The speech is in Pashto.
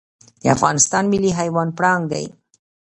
د افغانستان ملي حیوان پړانګ دی